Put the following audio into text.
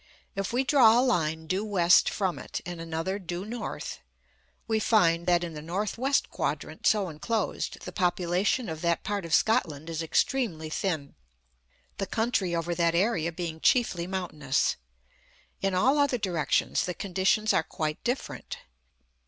If we draw a line due west from it, and another due north, we find that, in the north west quadrant so enclosed, the population of that part of Scotland is extremely thin, the country over that area being chiefly mountainous. In all other directions, the conditions are quite different.